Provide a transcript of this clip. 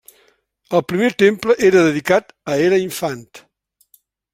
El primer temple era dedicat a Hera infant.